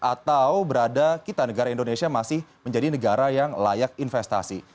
atau berada kita negara indonesia masih menjadi negara yang layak investasi